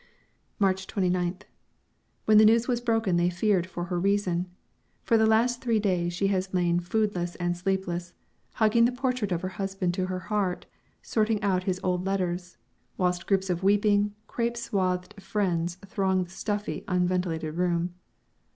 March 29th. When the news was broken they feared for her reason. For the last three days she has lain foodless and sleepless, hugging the portrait of her husband to her heart, sorting out his old letters, whilst groups of weeping, crêpe swathed friends throng the stuffy, unventilated room.